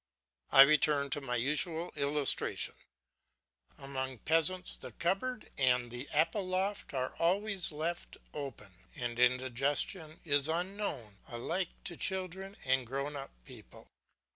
I return to my usual illustration; among peasants the cupboard and the apple loft are always left open, and indigestion is unknown alike to children and grown up people.